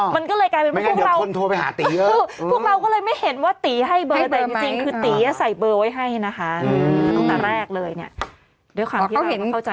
อ๋อไม่งั้นเดี๋ยวคนโทรไปหาตีเยอะพวกเราก็เลยไม่เห็นว่าตีให้เบอร์แต่จริงคือตีใส่เบอร์ไว้ให้นะคะตั้งแต่แรกเลยเนี่ย